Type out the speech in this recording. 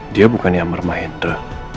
dia bukan amar mahedra